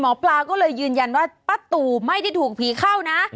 หมอปลาก็เลยยืนยันว่าป้าตูไม่ได้ถูกผีเข้านะ